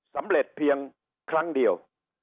สำเร็จเพียงครั้งเดียว